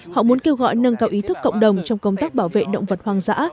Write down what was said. họ muốn kêu gọi nâng cao ý thức cộng đồng trong công tác bảo vệ động vật hoang dã